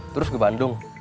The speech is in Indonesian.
terus ke bandung